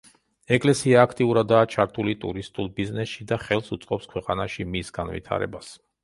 ეკლესია აქტიურადაა ჩართული ტურისტულ ბიზნესში და ხელს უწყობს ქვეყანაში მის განვითარებას.